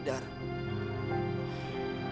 sekarang saya sadar